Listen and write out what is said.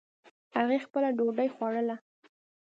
هغې خپله ډوډۍ خوړله